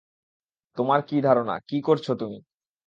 তোমার কি ধারণা, কি করছো তুমি?